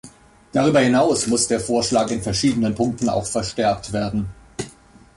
Darüber hinaus muss der Vorschlag in verschiedenen Punkten auch verstärkt werden.